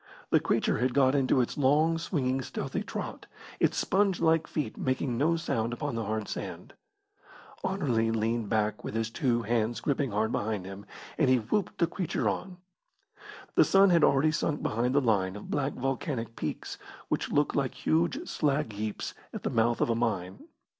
The creature had got into its long, swinging, stealthy trot, its sponge like feet making no sound upon the hard sand. Anerley leaned back with his two hands gripping hard behind him, and he whooped the creature on. The sun had already sunk behind the line of black volcanic peaks, which look like huge slag heaps at the mouth of a mine.